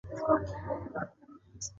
خو داسې نه چې ځان ته زیان ورسوي.